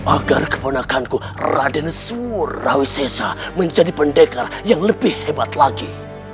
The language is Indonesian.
agar keponakanku raden surawisesa menjadi pendekar yang lebih hebat lagi